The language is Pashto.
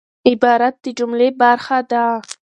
عبارت د جملې برخه يي.